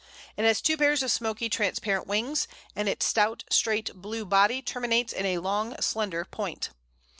It has two pairs of smoky transparent wings, and its stout, straight, blue body terminates in a long slender point.